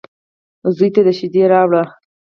_زوی ته دې شېدې راوړه.